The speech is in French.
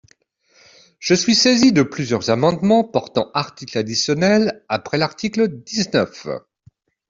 Je suis saisi de plusieurs amendements portant articles additionnels après l’article dix-neuf.